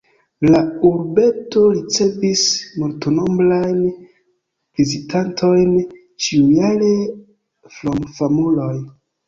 La urbeto ricevis multnombrajn vizitantojn ĉiujare krom famuloj.